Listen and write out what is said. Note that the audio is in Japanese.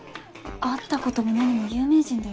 会ったことも何も有名人だよ。